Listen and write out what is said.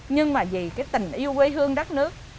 nhưng mà vì cái tình yêu quê hương đất nước